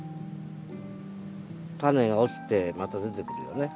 タネが落ちてまた出てくるよね。